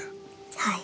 はい。